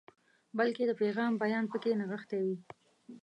بلکې د پیغام بیان پکې نغښتی وي.